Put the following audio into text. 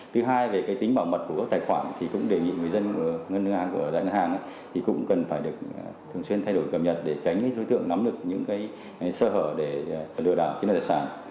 thứ hai về cái tính bảo mật của các tài khoản thì cũng đề nghị người dân ngân hàng của đại ngân hàng ấy thì cũng cần phải được thường xuyên thay đổi cầm nhật để tránh cái đối tượng nắm được những cái sơ hở để lừa đảo trên đại sản